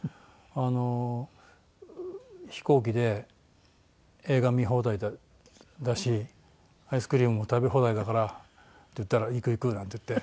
あの「飛行機で映画見放題だしアイスクリームも食べ放題だから」って言ったら「行く行く！」なんて言って。